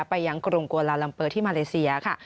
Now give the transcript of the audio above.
ไปยังกรุงกวาลาลัมเปอร์ที่มาเลเซียค่ะ